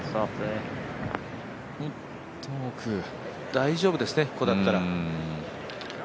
大丈夫ですね、ここだったら。